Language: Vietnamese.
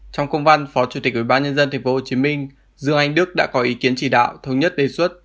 trong công văn phó chủ tịch ubnd tp hcm dương anh đức đã có ý kiến chỉ đạo thống nhất đề xuất